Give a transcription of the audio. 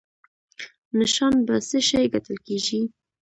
نشان په څه شي ګټل کیږي؟